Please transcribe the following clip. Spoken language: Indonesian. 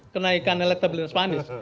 kenaikan elektabilitas pandis